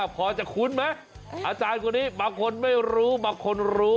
พอจะคุ้นไหมอาจารย์คนนี้บางคนไม่รู้บางคนรู้